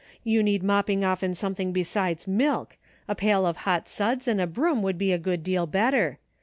You need mopping off in something besides milk ; a pail of hot suds and a broom would be a good deal better.